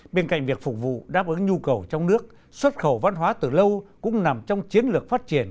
bên cạnh việc phục vụ đáp ứng nhu cầu trong nước xuất khẩu văn hóa từ lâu cũng nằm trong chiến lược phát triển